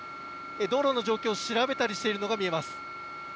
道路の状況を調べたりしているのが見えます。